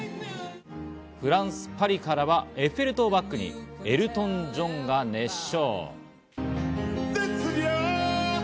フランス・パリからはエッフェル塔をバックにエルトン・ジョンが熱唱。